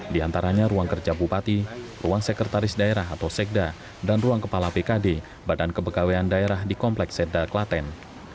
di antaranya ruang kerja bupati ruang sekretaris daerah atau sekda dan ruang kepala bkd badan kepegawaian daerah di komplek sekda klaten